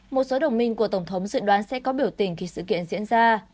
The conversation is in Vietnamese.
một số đồng minh của tổng thống dự đoán sẽ có biểu tình khi sự kiện diễn ra